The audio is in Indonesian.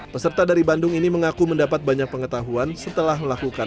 peserta dari bandung ini mengaku mendapat banyak pengetahuan setelah melakukan